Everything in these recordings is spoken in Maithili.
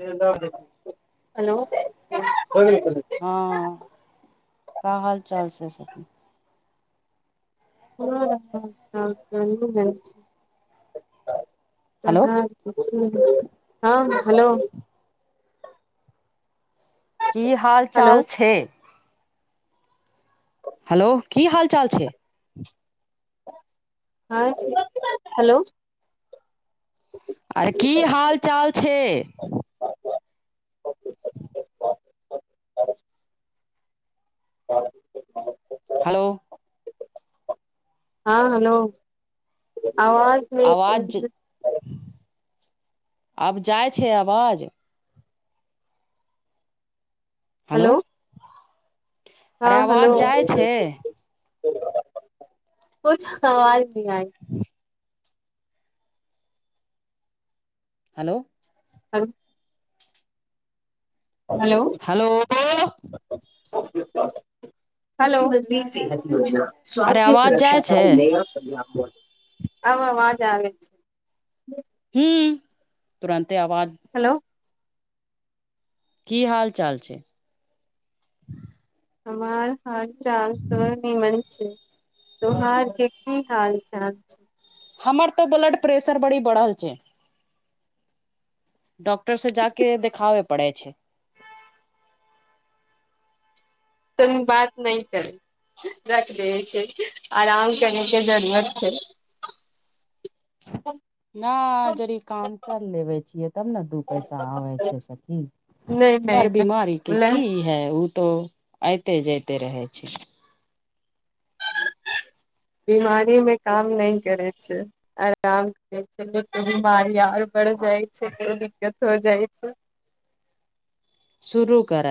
हेलो [unintelligible] हँ का हाल चाल छै सखी [unintelligible] हेलो हँ हेलो की हाल चाल छै हेलो की हाल चाल छै हँ हेलो अरे की हाल चाल छै [inaudible] [unintelligible] हलो हँ हेलो आवाज नहि आवाज आब जाइ छै आवाज हलो हेलो हँ हेलो जाइ छै कुछ अवाज ने आइ हेलो आब हेलो हेलो [unintelligible] हेलो [unintelligible] अरे आवाज जाइ छै अब अबाज आबै छै हू तुरन्ते आवाज हेलो की हाल चाल छै हमार हाल चाल त निमन छै तोहार के की हाल चाल छै हमर तऽ ब्लड प्रेशर बड़ी बढ़ल छै डॉक्टर से जाके देखाबे पड़ै छै तनी बात नै करै रख दैबे छै आराम करयके जरूरत छै [inaudible] नहि जदि काम कर लेबे छियै तब ने दू पैसा आबै नहि छै सखी नहि बड़ नहि बिीमारी के बोले की है ओ तो अऐते जाइते रहे छै बीमारी मे काम नहि करै छै आराम करै छै लोक के बीमारी आर बढ़ जाइ छै को दिक्कत हो जाइ छै शुरू कर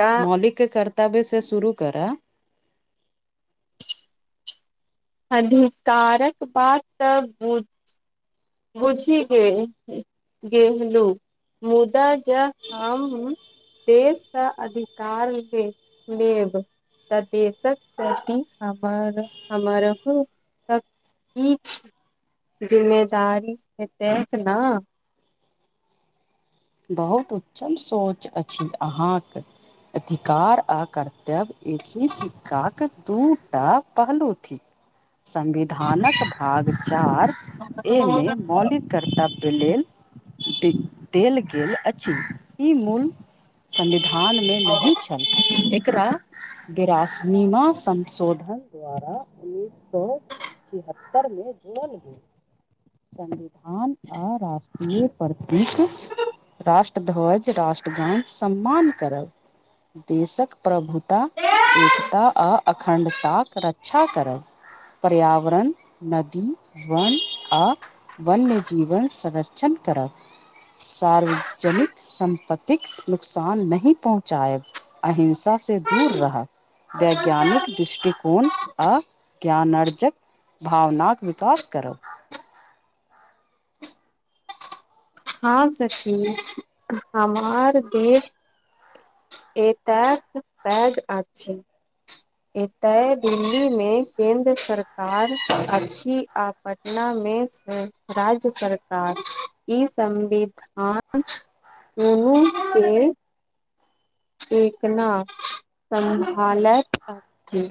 तऽ मौलिक के कर्तव्य से शुरू कर अधिकारक बात तऽ बु बुझ गेल गहलू मुदा ज हम देश सँ अधिकार के लेब त देशक प्रति हमर हमरहु किछ जिम्मेदारी हेतैक न बहुत उत्तम सोच अछि अहाँक अधिकार आ कर्तव्य अछि सिक्काक दू टा पहलू थिक संविधानक भाग चार एमे मौलिक कर्तब्य लेल देल गेल अछि ई मूल संविधान मे नही छल एकरा बिरासनीमा संशोधन द्वारा एक सए छिहत्तर मे जोरल गेल संविधान आ राष्ट्रीय प्रतीक राष्ट्र ध्वज राष्ट्रगञान सम्मान करब देशक प्रभुता एकता आ अखण्डता रक्षा करब पर्यावरण नदी वन आ वन जीवन संरक्षण करब सार्व जनित सम्पत्तिक नुकसान नहि पहुँचायब अहिंसा से दूर रहब वैज्ञानिक दृष्टिकोण आ ज्ञानअर्जक भावनाक विकास करब हँ सखी हमार देश एतक पैघ अछि एतय दिल्ली मे केन्द्र सरकार अछि आ प मे से राज्य सरकार ई संविधान दुनु के ना [unintelligible] स्भालैत अछि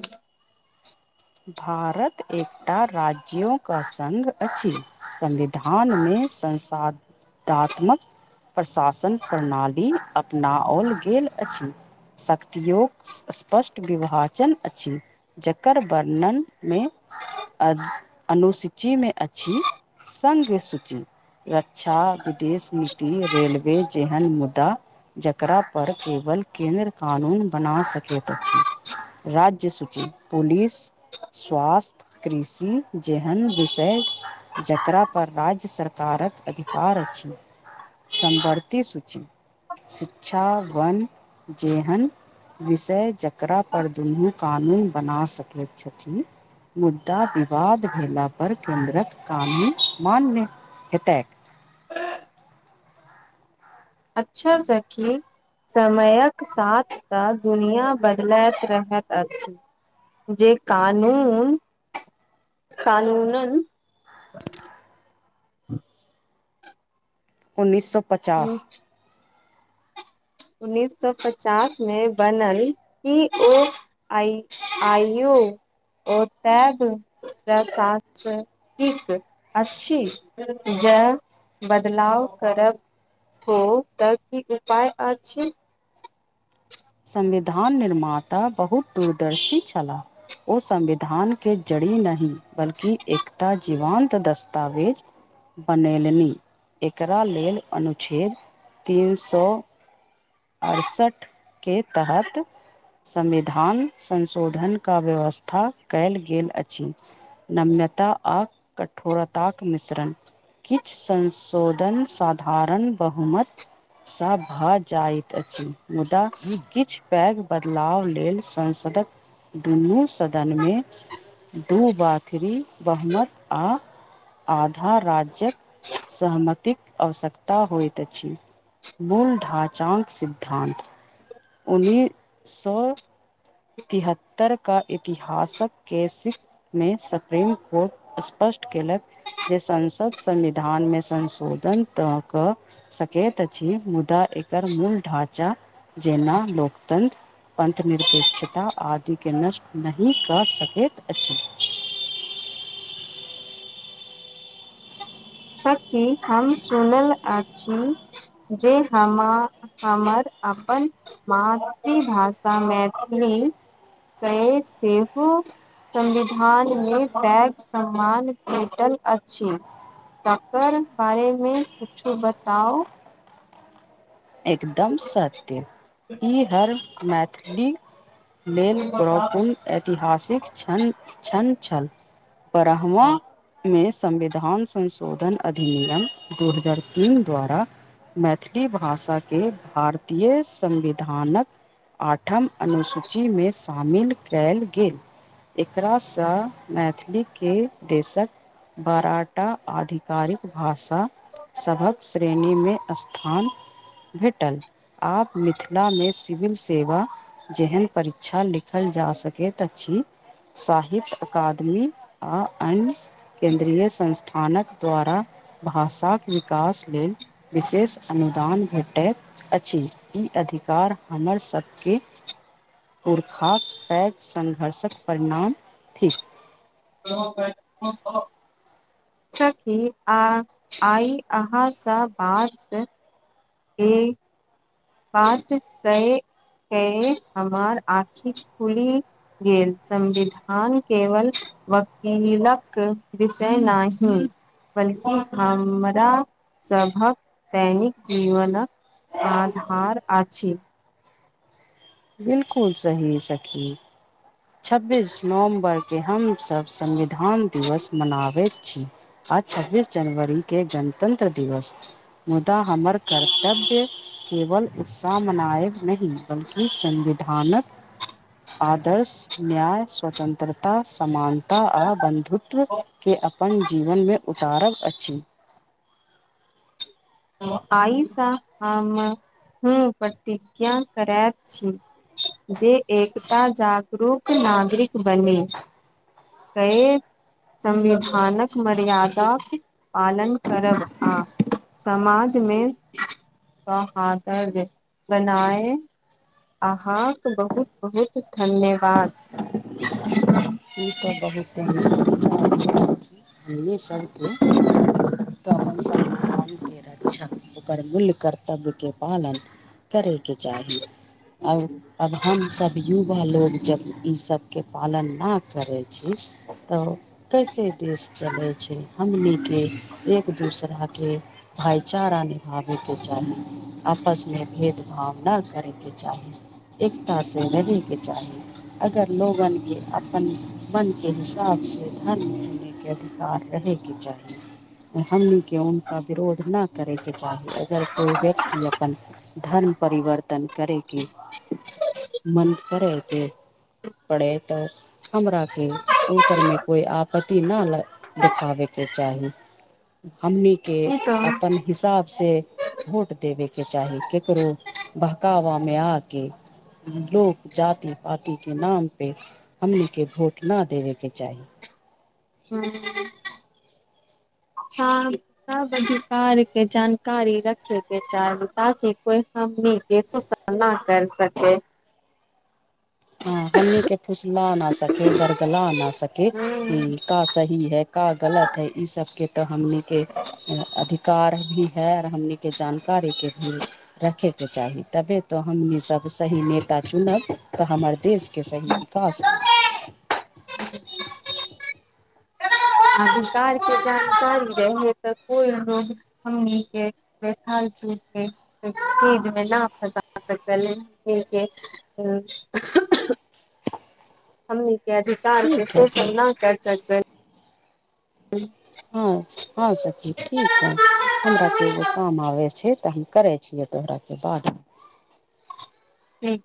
भारत एकटा राज्यो के संग अछि संविधान मे संसधात्मक प्रशासन प्रणाली अपनाओल गेल अछि शक्तियोक स्पष्ट विभाजन अछि जकर वर्णन में अनुसूची में अछि संग सूची रक्षा विदेश नीति रेलवे जेहन मुद्दा जेकरा पर केवल केन्द्र कानून बना सकैत अछि राज्य सूची पुलिस स्वास्थ्य कृषि जेहन विषय जकरापर राज्य सरकारक अधिकार अछि संभर्ती सूची शिक्षा वन जेहन विषय जेकरा पर दुनू कानून बना सकैत छथि मुदा विवाद भेलापर केन्द्रक कानून मान्य हेतैक अच्छा सखि समयक साथ तऽ दुनिआ बदलैत रहैत अछि जे कानून कानूनन उन्नैस सए पचास उन्ननीस सौ पचास मे बनल कि ओ आइ आइयो ओ तैब प्रशासनिक अछि जे बदलाव करब हो तऽ की उपाय अछि संविधान निर्माता बहुत दूरदर्शी छल ओ संविधान के जड़ी नहि बल्कि एकता जीवंत दस्तावेज बनेलनि एकरा लेल अनुच्छेद तीन सौ अरसठ के तहत संविधान संशोधन के व्यवस्था कयल गेल अछि नम्यता आ कठोरताक मिश्रण किछु संशोधन साधारण बहुमत सब भऽ जाइत अछि मुदा किछु पैघ बदलाव लेल संसदक दुनू सदनमे दू बा थरी बहमत आ आधा राज्यक सहमतिक आवश्यकता होइत अछि मूल ढाँचाग सिद्धान्त उन्नै सए तिहत्तर का इतिहासक केैसिक मे सुप्रीम कोर्ट स्पष्ट केलक जे संसद संविधान में संशोधन त कऽ सकैत अछि मुदा एकर मूल ढाँचा जेना लोकतन्त्र अन्थनिरपेक्षता आदिके नष्ट नहि कऽ सकैत अछि सखी हम सुनल अछि जे हमर अपन मातृभाषा मैथिली के सेहो संविधानमे पैघ सम्मान भेटल अछि तकर बारेमे कछु बताउ एकदम सत्य ई हर मैथिली लेल प्रपूर्ण ऐतिहासिक छण छण छल बह्म मे संविधान संसो शोधन अधिनियम दू हजार तीन द्वारा मैथिली भाषा के भारतीय संविधानक आठम अनुसूची में शामिल कैल गेल एकरासँ मैथिली के देशक फराटा आधिकारिक भाषा सभक श्रेणीमे स्थान भेटल आब मिथिला मे सिविल सेवा जेहन परीक्षा लिखल जा सकैत अछि साहित्य अकादमी आ अन्य केन्द्रीय संस्थानक द्वारा भाषाक विकास लेल विशेष अनुदान भेट ट अछि ई अधिकार हमर सबके पुरखाक पैघ सङ्घर्षक परिणाम थिक [unintelligible] [unintelligible] सखी आ आइ अहाँसँ बात इ बात कै कै हमार आँखि खुली गेल संविधान केवल वकीलक विषय नहि बल्कि हमरा सभक दैनिक जीवनक आधार अछि बिल्कुल सही सखी छब्बीस नवम्बरके हमसभ संविधान दिवस मनाबैत छी आ छब्बीस जनवरी के गणतंत्र दिवस मुदा हमर कर्तव्य केवल उत्साह मनाएब न बल्कि संविधानक आदर्श न्याय स्वतन्त्रता समानता आ बन्धुत्व के अपन जीवन में उतारक अछि आइ सँ हमहुँ प्रतिज्ञा करैत छी जे एकता जागरूक नागरिक बनी कहि [inaudible] संविधानक मर्यादाक पालन करब आ समाजमे मे सौहार्द बनाए अहाँके बहुत बहुत धन्यवाद ई तऽ बहुत अच्छा बच्चा छी हमनी सब के - ओकर मूल्य कर्तव्यके पालन करयके चाहि और अब हम सब युवा लोग जब ई सब के पालन ना करै छी त कैसे देश चलै छै हमने एक दूसराके भईचारा निभावे के चाहि आपसमे भेदभाव नहि करयके चाही एकता से रहबैक चाही अगर लोगन के अपन मन के हिसाब सँ धन जुनैके अधिकार रहै के चाही हमनी के हुनका विरोध नहि करै के चाही अगर कोई व्यक्ति अपन धर्म परिवर्तन करय के मन करैत परै तऽ हमरा के ओनकर में कोइ आपत्ति नहि देखाबय के चाही हम्नी के ई तऽ अपन हिसाब से भोट देबे के चाही केकरो बहकावा में आ के लोक जाति पात के नाम पे हमनीके भोट न देबेके चाही मेय [inaudible] अच्छा सब अधिकार के जानकारी रखे के चाहू ताकि कोई हमनी के सोसायटी ना कर सके हँ हमनी के फुसला नहि सके बरगला आ नहि सके कि हूँ का सही है का गलत है ई सभ के तऽ हमनी के अधिक कार भी है आ हमनी के जानकारी के रखे के के चाही तबे तऽ हमनी सब सही नेता चुनब तऽ हमर देश के सही विकास होत ह [inaudible] अधिकार के जान चल जा है तऽ कोई लोग हमनी के देखखालतू छै [unintelligible] [inaudible] चीज में नहि फँस सकल ह - हमनी के अधिकार के ठीक है शोषण नऽ कर सकबै हूँ [unintelligible] हां हाँ सखी ठीक है हमरा कऽ के एगो काम आबै छै तऽ हम करै छियै तोहरा के बाद ठीक